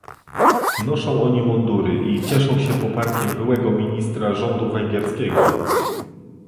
Noszą oni mundury i cieszą się poparciem byłego ministra rządu węgierskiego